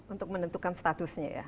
untuk menentukan statusnya ya